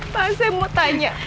pak saya mau tanya